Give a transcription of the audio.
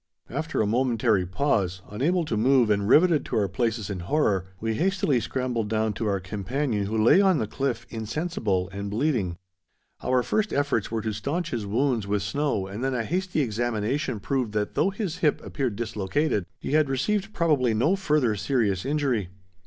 After a momentary pause, unable to move and riveted to our places in horror, we hastily scrambled down to our companion who lay on the cliff insensible and bleeding. Our first efforts were to staunch his wounds with snow and then a hasty examination proved that though his hip appeared dislocated he had received probably no further serious injury.